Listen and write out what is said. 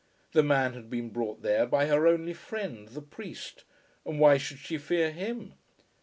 The man had been brought there by her only friend, the priest, and why should she fear him?